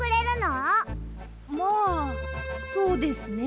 まあそうですね。